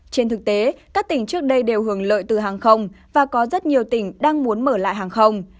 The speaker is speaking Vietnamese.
trên thực tế các tỉnh trước đây đều hưởng lợi từ hàng không và có rất nhiều tỉnh đang muốn mở lại hàng không